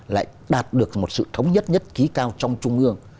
lại đạt được một sự thống nhất nhất trí cao trong trung ương